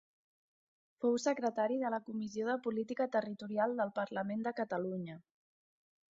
Fou secretari de la Comissió de Política Territorial del Parlament de Catalunya.